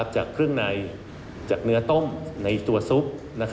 จากเครื่องในจากเนื้อต้มในตัวซุป